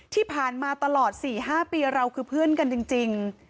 ที่ผ่านมาตลอด๔๕ปีเราคือเพื่อนกันจริง